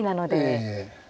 ええ。